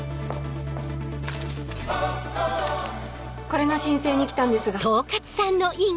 これの申請に来たんですが。